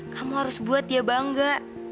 kamu harus buat dia bangga